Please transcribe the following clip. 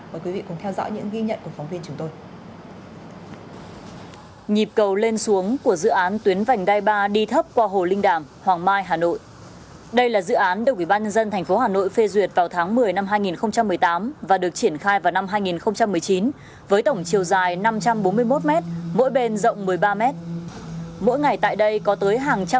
mời quý vị cùng theo dõi những ghi nhận của phóng viên chúng tôi